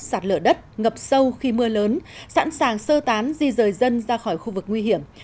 sạt lở đất ngập sâu khi mưa lớn sẵn sàng sơ tán di rời dân ra khỏi khu vực nguy hiểm